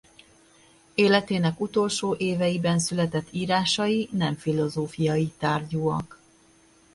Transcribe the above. Életének utolsó éveiben született írásai nem filozófiai tárgyúak.